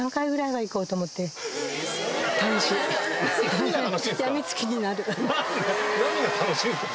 何が何が楽しいんすか？